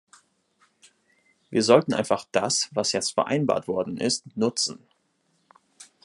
Wir sollten einfach das, was jetzt vereinbart worden ist, nutzen.